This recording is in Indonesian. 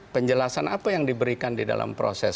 penjelasan apa yang diberikan di dalam proses